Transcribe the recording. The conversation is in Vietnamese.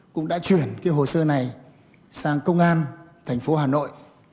cũng đã chuyển hồi sơ này sang công an tp hà nội